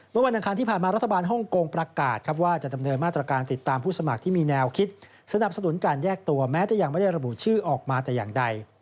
วันอังคารที่ผ่านมารัฐบาลฮ่องกงประกาศว่าจะดำเนินมาตรการติดตามผู้สมัครที่มีแนวคิดสนับสนุนการแยกตัวแม้จะยังไม่ได้ระบุชื่อออกมาแต่อย่างใด